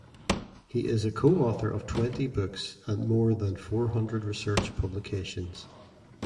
He is a co-author of twenty books and more than four hundred research publications.